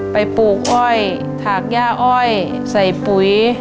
ปลูกอ้อยถากย่าอ้อยใส่ปุ๋ย